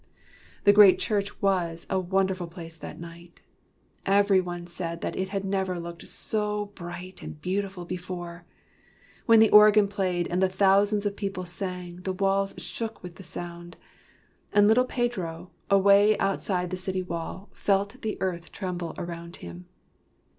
The great church was a wonderful place that night. Every one said that it had never looked so bright and beautiful before. When the organ played and the thousands of people sang, the walls shook with the sound, and little Pedro, away outside the city wall, felt the earth tremble around him.